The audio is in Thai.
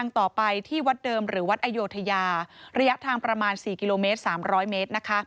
ทางประมาณ๔กิโลเมตร๓๐๐เมตร